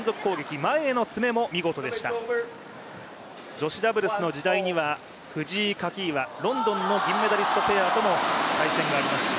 女子ダブルスの時代には藤井・垣岩、ロンドンの銀メダリストペアとも対戦がありました。